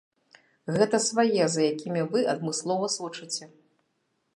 Гэта свае, за якімі вы адмыслова сочыце.